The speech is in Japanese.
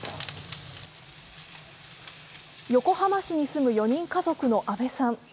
横浜市に住む４人家族の阿部さん。